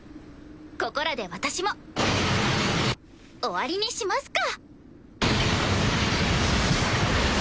ここらで私も終わりにしますか！